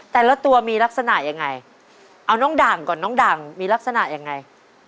แต่ละตัวมีลักษณะยังไงเอาน้องด่างก่อนน้องด่างมีลักษณะยังไง